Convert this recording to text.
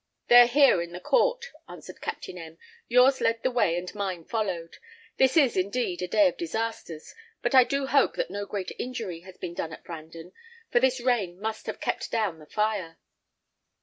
"They are here in the court," answered Captain M . "Yours led the way, and mine followed. This is, indeed, a day of disasters; but I do hope that no great injury has been done at Brandon, for this rain must have kept down the fire."